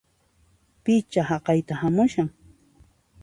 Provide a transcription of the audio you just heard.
Pichá haqayta hamushan!